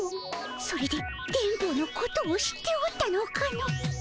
それで電ボのことを知っておったのかの。